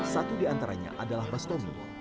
satu di antaranya adalah bastomi